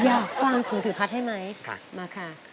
อยากฟังถึงพัฒน์ให้ไหมมาค่ะ